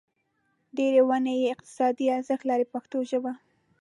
ډېرې ونې یې اقتصادي ارزښت لري په پښتو ژبه.